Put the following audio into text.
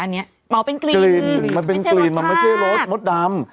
อันเนี้ยมัวเป็นกลิ่นมันเป็นกลิ่นมันไม่ใช่รสดำไม่ใช่รสดำ